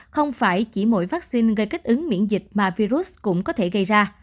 không phải chỉ mỗi vaccine gây kích ứng miễn dịch mà virus cũng có thể gây ra